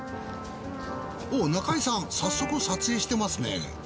おっ中井さん早速撮影してますね。